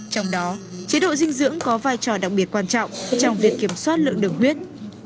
trong đó chế độ dinh dưỡng có vai trò đặc biệt quan trọng trong việc kiểm soát lượng đường huyết